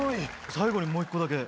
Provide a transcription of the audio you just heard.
最後にもう１個だけ。